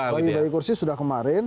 bagi bagi kursi sudah kemarin